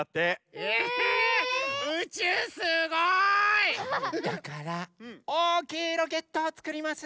え宇宙すごい！だからおおきいロケットをつくります！